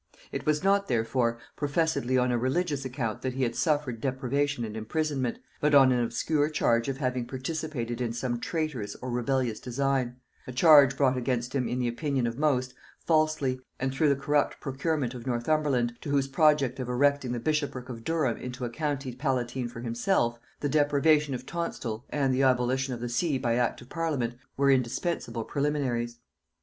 It was not, therefore, professedly on a religious account that he had suffered deprivation and imprisonment, but on an obscure charge of having participated in some traitorous or rebellious design: a charge brought against him, in the opinion of most, falsely, and through the corrupt procurement of Northumberland, to whose project of erecting the bishopric of Durham into a county palatine for himself, the deprivation of Tonstal, and the abolition of the see by act of parliament, were indispensable preliminaries.